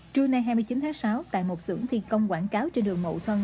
trưa nay hai mươi chín tháng sáu tại một xưởng thiên công quảng cáo trên đường mậu thân